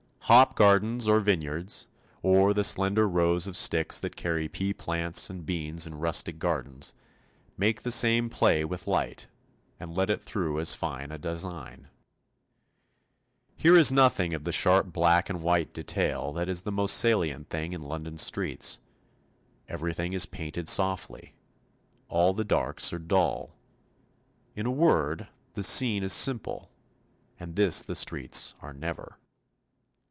Hop gardens or vineyards, or the slender rows of sticks that carry pea plants and beans in rustic gardens, make the same play with light, and let it through as fine a design. [Illustration: A Back Street.] Here is nothing of the sharp black and white detail that is the most salient thing in London streets; everything is painted softly; all the darks are dull; in a word, the scene is simple, and this the streets are never.